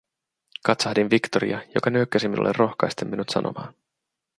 Katsahdin Victoria, joka nyökkäsi minulle rohkaisten minut sanomaan: